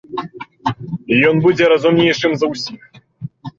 Ён будзе разумнейшым за ўсіх.